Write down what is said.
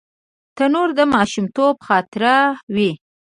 تنور د ماشومتوب خاطره وي